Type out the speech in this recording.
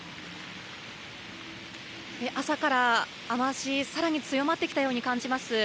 朝から雨足、さらに強まってきたように感じます。